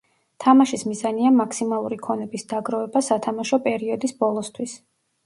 თამაშის მიზანია მაქსიმალური ქონების დაგროვება სათამაშო პერიოდის ბოლოსთვის.